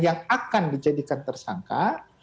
yang akan dijadikan tersangka